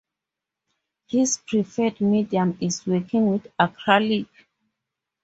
His preferred medium is working with acrylics.